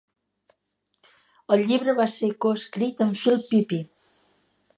El llibre va ser coescrit amb Phil Pepe.